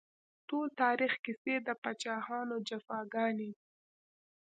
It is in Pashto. ټول تاريخ کيسې د پاچاهانو جفاګانې دي